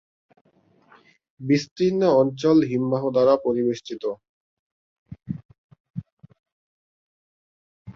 বিস্তীর্ণ অঞ্চল হিমবাহ দ্বারা পরিবেষ্টিত।